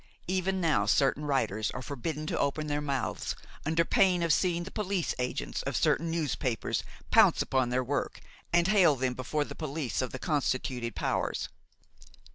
Even now certain writers are forbidden to open their mouths, under pain of seeing the police agents of certain newspapers pounce upon their work and hale them before the police of the constituted powers.